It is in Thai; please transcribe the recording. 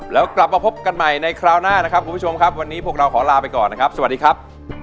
แล้วกลับมาพบกันใหม่ในคราวหน้านะครับคุณผู้ชมครับวันนี้พวกเราขอลาไปก่อนนะครับสวัสดีครับ